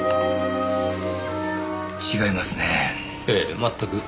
違いますね。